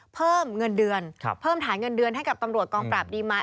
เพิ่มเงินเดือนเพิ่มฐานเงินเดือนให้กับตำรวจกองปราบดีไหม